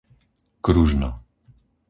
Kružno